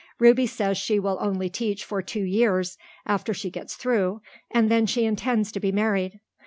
Ruby says she will only teach for two years after she gets through, and then she intends to be married.